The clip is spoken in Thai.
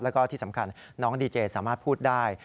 แล้วก็ที่สำคัญน้องดีเจสามารถพูดได้